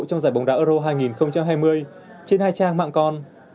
trong giải bóng đá euro hai nghìn hai mươi trên hai trang mạng con